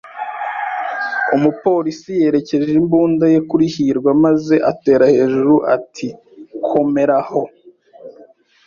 Umupolisi yerekeje imbunda ye kuri hirwa maze atera hejuru ati: "Komera aho!"